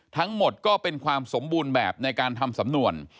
ทั้งหมดก็เป็นความสมบูรณ์แบบในการทำสำนวน